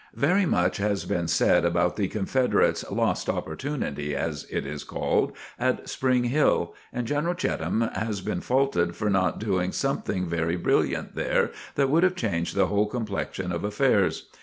Very much has been said about the Confederates' "lost opportunity," as it is called, at Spring Hill, and General Cheatham has been faulted for not doing something very brilliant there that would have changed the whole complexion of affairs.